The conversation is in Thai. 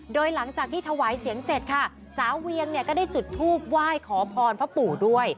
โดยหลังจากที่ถวายเสียงเสร็จค่ะสาวเวียงเนี่ยก็ได้จุดทูบไหว้ขอพรพระปู่ด้วย